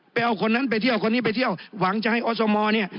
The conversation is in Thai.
เอาคนนั้นไปเที่ยวคนนี้ไปเที่ยวหวังจะให้อสมเนี่ย